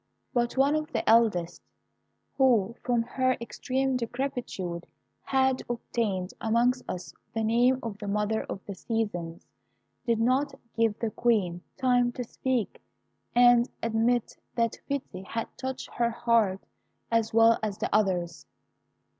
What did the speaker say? But one of the eldest, who, from her extreme decrepitude had obtained amongst us the name of 'the Mother of the Seasons,' did not give the Queen time to speak and admit that pity had touched her heart as well as the others'.